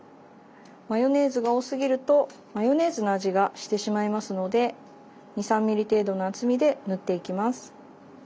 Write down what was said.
マヨネーズが多すぎるとマヨネーズの味がしてしまいますので２３ｍｍ程度の厚みで塗っていきます。